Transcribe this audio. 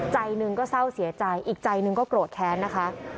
ใจหนึ่งก็เศร้าเสียใจอีกใจหนึ่งก็โกรธแค้นนะคะ